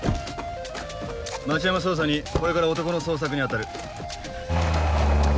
町山捜査２これから男の捜索に当たる。